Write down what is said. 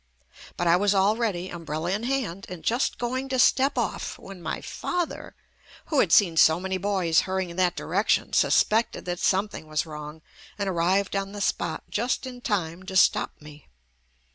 But I was all ready, umbrella in hand and just going to step off when my father, who had seen so many boys hurrying in that direction suspected that something was wrong and ar rived on the spot just in time to stop me.